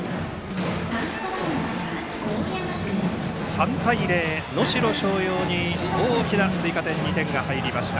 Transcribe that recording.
３対０と能代松陽に大きな追加点２点が入りました。